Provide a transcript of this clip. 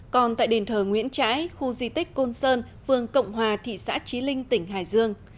còn tại đền thờ nguyễn trãi khu di tích côn sơn phường cộng hòa thị xã trí linh tỉnh hải dương